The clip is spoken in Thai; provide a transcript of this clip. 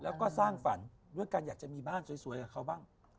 แล้วก็สร้างฝันด้วยการอยากจะมีบ้านสวยกับเขาบ้าง